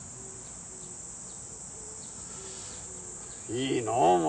いいなお前。